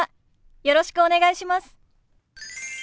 よろしくお願いします。